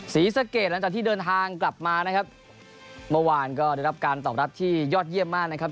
ศรีสะเกดหลังจากที่เดินทางกลับมานะครับเมื่อวานก็ได้รับการตอบรับที่ยอดเยี่ยมมากนะครับ